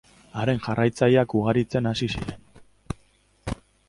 Haren jarraitzaileak ugaritzen hasi ziren.